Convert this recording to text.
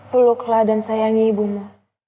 peluklah dan sayangi ibumu